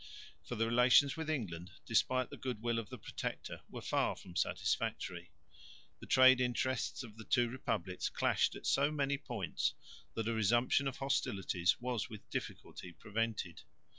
For the relations with England, despite the goodwill of the Protector, were far from satisfactory. The trade interests of the two republics clashed at so many points that a resumption of hostilities was with difficulty prevented.